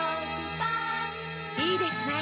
まんいいですね！